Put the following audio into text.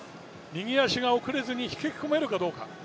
右足が遅れずに引き込めるかどうか。